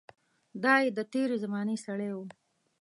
دای د تېرې زمانې سړی و.